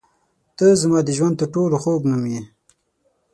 • ته زما د ژوند تر ټولو خوږ نوم یې.